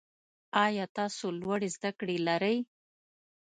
آیا تاسو لوړي زده کړي لرئ؟